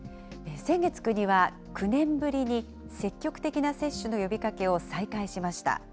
先月、国は９年ぶりに積極的な接種の呼びかけを再開しました。